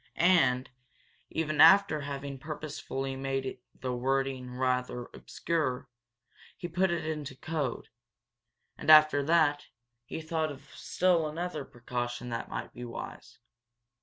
And, even after having purposely made the wording rather obscure, he put it into code. And, after that, he thought of still another precaution that might be wise.